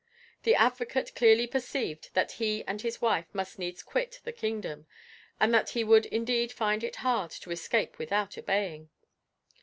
The advocate clearly perceived that he and his wife must needs quit the kingdom, and that he would indeed find it hard to escape without obeying.